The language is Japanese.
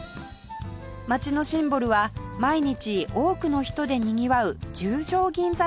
街のシンボルは毎日多くの人でにぎわう十条銀座商店街